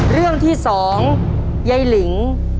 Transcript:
เรื่องที่๒ยายหลิง